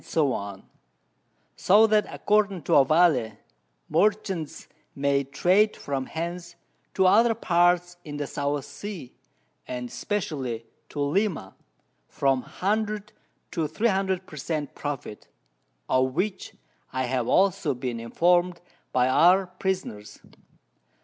_ So that according to Ovalle, Merchants may trade from hence to other Parts in the South Sea, and especially to Lima, from 100 to 300 per Cent. Profit, of which I have also been informed by our Prisoners.